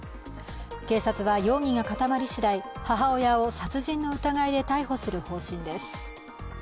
警察は容疑が固まりしだい、母親を殺人の疑いで逮捕する方針です。